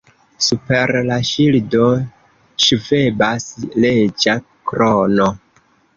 Super la ŝildo ŝvebas reĝa krono.